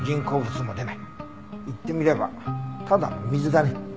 言ってみればただの水だね。